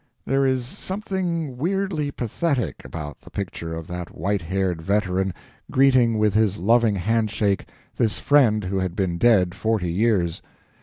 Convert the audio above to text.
There is something weirdly pathetic about the picture of that white haired veteran greeting with his loving handshake this friend who had been dead forty years.